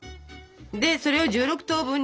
でそれを１６等分に。